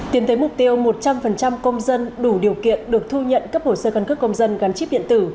tiến tới mục tiêu một trăm linh công dân đủ điều kiện được thu nhận cấp hồ sơ cân cước công dân gắn chip điện tử